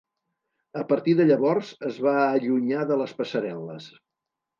A partir de llavors es va allunyar de les passarel·les.